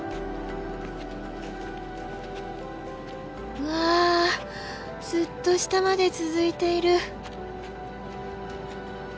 うわずっと下まで続いている。